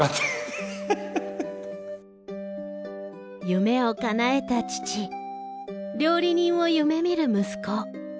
夢をかなえた父料理人を夢見る息子。